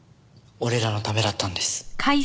俺らのためだったんです。